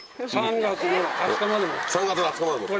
３月の２０日まで持つ。